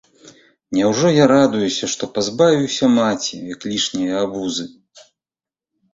Няўжо я радуюся, што пазбавіўся маці, як лішняе абузы?